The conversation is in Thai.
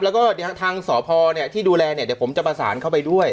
แล้วก็ทางสพที่ดูแลเนี่ยเดี๋ยวผมจะประสานเข้าไปด้วย